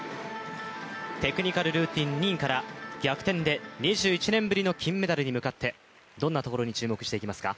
テクニカルルーティン２位から逆転で２１年ぶりの金メダルに向かってどんなところに注目していきますか？